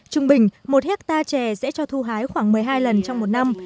trung bình một hectare chè sẽ cho thu hái khoảng một mươi hai lần trong một năm